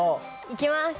いきます。